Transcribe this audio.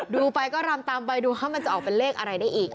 ดูไปก็รำตามไปดูว่ามันจะออกเป็นเลขอะไรได้อีก